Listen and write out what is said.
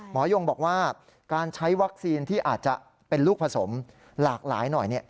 ยงบอกว่าการใช้วัคซีนที่อาจจะเป็นลูกผสมหลากหลายหน่อย